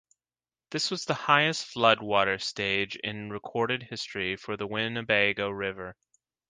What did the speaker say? This was the highest flood water stage in recorded history for the Winnebago River.